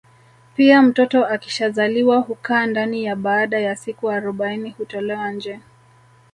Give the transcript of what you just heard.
Pia mtoto akishazaliwa hukaa ndani na baada ya siku arobaini hutolewa nje